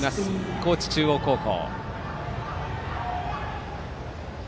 高知中央高校。